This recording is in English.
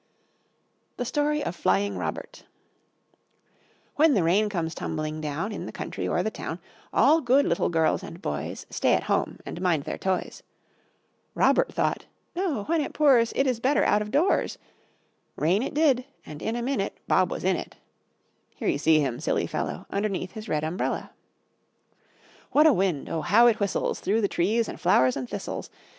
The Story of Flying Robert When the rain comes tumbling down In the country or the town, All good little girls and boys Stay at home and mind their toys. Robert thought, "No, when it pours, It is better out of doors." Rain it did, and in a minute Bob was in it. Here you see him, silly fellow, Underneath his red umbrella. What a wind! oh! how it whistles Through the trees and flowers and thistles!